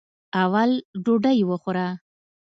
اول ډوډۍ وخوره.